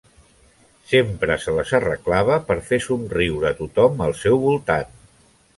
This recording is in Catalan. Sempre se les arreglava per fer somriure a tothom al seu voltant.